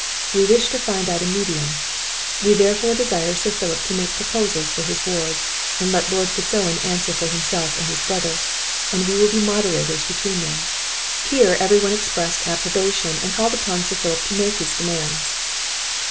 We wish to find out a medium; we therefore desire Sir Philip to make proposals for his ward, and let Lord Fitz Owen answer for himself and his brother, and we will be moderators between them." Here every one expressed approbation, and called upon Sir Philip to make his demands.